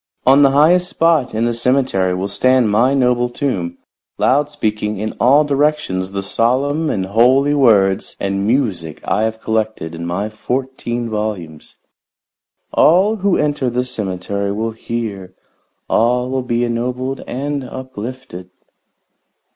On the highest spot in the cemetery will stand my noble tomb, loud speaking in all directions the solemn and holy words and music I have collected in my fourteen volumes. All who enter the cemetery will hear; all will be ennobled and uplifted."